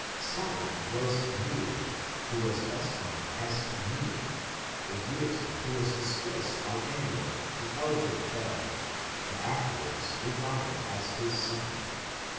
Saturn was Nirig, who is best known as Ninip, a deity who was displaced by Enlil, the elder Bel, and afterwards regarded as his son.